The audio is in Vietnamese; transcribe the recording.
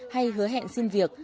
hay hứa hẹn xin việc